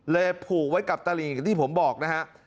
เลยผูกไว้กับตาลีนอย่างที่ผมบอกนะครับ